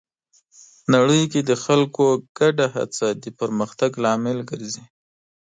نړۍ کې د خلکو ګډه هڅه د پرمختګ لامل ګرځي.